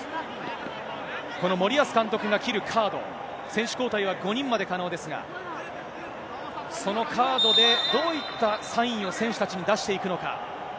この森保監督が切るカード、選手交代は５人まで可能ですが、そのカードで、どういったサインを選手たちに出していくのか。